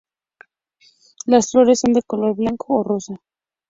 Las flores son de color blanco o rosa.